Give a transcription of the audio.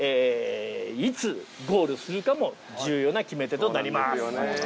いつゴールするかも重要な決め手となります。